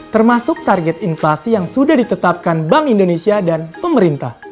termasuk target inflasi yang sudah ditetapkan bank indonesia dan pemerintah